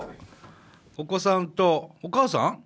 お子さんとお母さん？